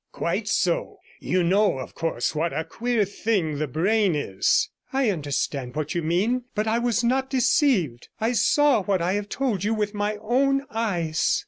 'Quite so; you know, of course, what a queer thing the brain is?' 'I understand what you mean; but I was not deceived. I saw what I have told you with my own eyes.'